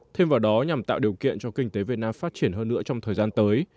thêm vào đó nhằm tạo điều kiện cho kinh tế việt nam phát triển hơn nữa trong thời gian tới